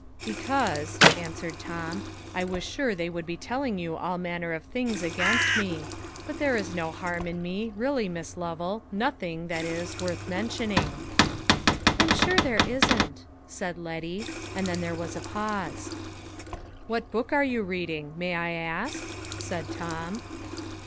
"Because," answered Tom, "I was sure they would be telling you all manner of things against me. But there is no harm in me really, Miss Lovel nothing, that is, worth mentioning." "I am sure there isn't," said Letty; and then there was a pause. "What book are you reading, may I ask?" said Tom.